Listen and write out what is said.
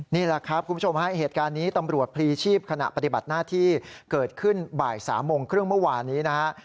นี่แหละครับคุณผู้ชมฮะเหตุการณ์นี้ตำรวจพลีชีพขณะปฏิบัติหน้าที่เกิดขึ้นบ่าย๓โมงครึ่งเมื่อวานนี้นะฮะ